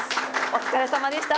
お疲れさまでした。